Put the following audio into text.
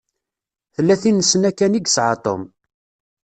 Tlatin-sna kan i yesεa Tom.